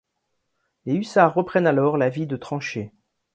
Les hussards reprennent alors la vie de tranchées.